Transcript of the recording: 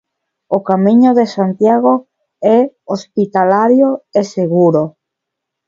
O Camiño de Santiago é hospitalario e seguro.